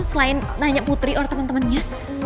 selain nanya putri or temen temennya